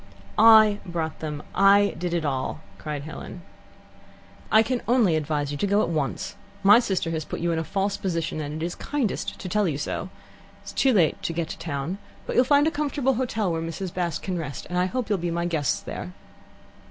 "I brought them. I did it all," cried Helen. "I can only advise you to go at once. My sister has put you in a false position, and it is kindest to tell you so. It's too late to get to town, but you'll find a comfortable hotel in Oniton, where Mrs. Bast can rest, and I hope you'll be my guests there."